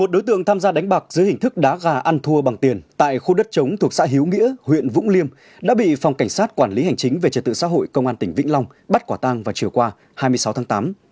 một mươi đối tượng tham gia đánh bạc dưới hình thức đá gà ăn thua bằng tiền tại khu đất chống thuộc xã hiếu nghĩa huyện vũng liêm đã bị phòng cảnh sát quản lý hành chính về trật tự xã hội công an tỉnh vĩnh long bắt quả tang vào chiều qua hai mươi sáu tháng tám